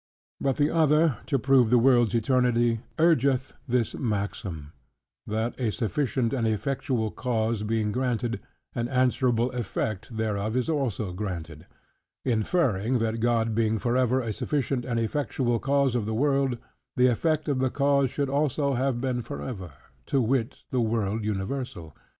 But the other to prove the world's eternity, urgeth this maxim, "that, a sufficient and effectual cause being granted, an answerable effect thereof is also granted": inferring that God being forever a sufficient and effectual cause of the world, the effect of the cause should also have been forever; to wit, the world universal.